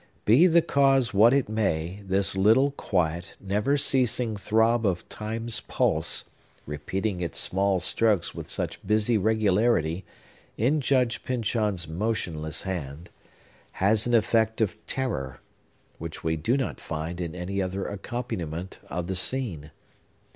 Be the cause what it may, this little, quiet, never ceasing throb of Time's pulse, repeating its small strokes with such busy regularity, in Judge Pyncheon's motionless hand, has an effect of terror, which we do not find in any other accompaniment of the scene.